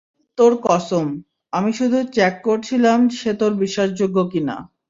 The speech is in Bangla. তোর কসম, আমি শুধু চ্যাক করছিলাম, সে তোর বিশ্বাসযোগ্য কিনা?